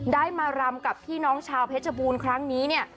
ได้มารำกับพี่น้องชาวเพชรบูรณ์ครั้งนี้เนี่ย